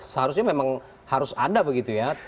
seharusnya memang harus ada begitu ya